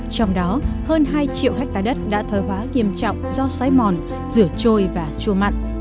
trong đó hơn hai triệu hectare đất đã thoái hóa nghiêm trọng do xói mòn rửa trôi và chua mặn